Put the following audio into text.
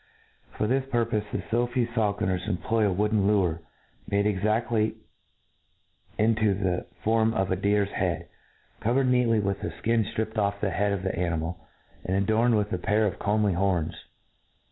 For this, purpofe the Sophi's faul coners employ a wooden lure, made ex^aiy in to the form of a deer's head, covered neatly with 16 INTRODUCTION, with the skin ftripped off the head of that animal, and adorned with a pair of comely horns.